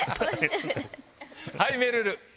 はいめるる。